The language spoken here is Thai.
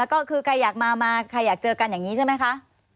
ก็คือใครอยากมามาใครอยากเจอกันอย่างนี้ใช่ไหมคะ